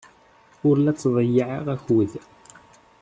Ur la ttḍeyyiɛeɣ akud.